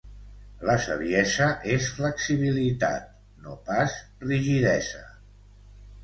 La saviesa és flexibilitat, no pas rigidesa.